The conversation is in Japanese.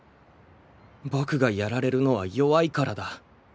僕がやられるのは弱いからだ。